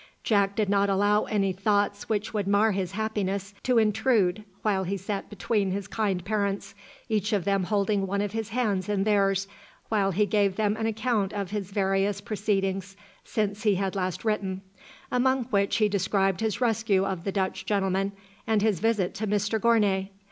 Jack did not allow any thoughts which would mar his happiness to intrude while he sat between his kind parents, each of them holding one of his hands in theirs, while he gave them an account of his various proceedings since he had last written, among which he described his rescue of the Dutch gentleman, and his visit to Mr Gournay.